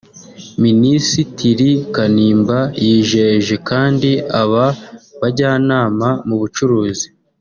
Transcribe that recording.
Minisitiri Kanimba yijeje kandi aba bajyanama mu bucuruzi